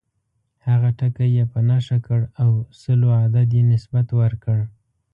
هغه ټکی یې په نښه کړ او سلو عدد یې نسبت ورکړ.